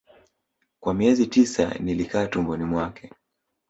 Kwa miezi tisa nilikaa tumboni mwake